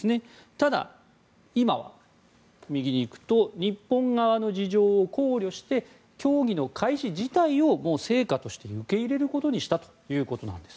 ただ、今は日本側の事情を考慮して協議の開始自体を成果として受け入れることにしたということです。